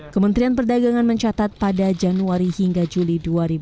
kementerian perdagangan mencatat pada januari hingga juli dua ribu dua puluh